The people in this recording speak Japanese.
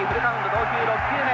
投球６球目。